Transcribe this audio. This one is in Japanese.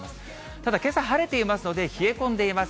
ただ今朝、晴れていますので、冷え込んでいます。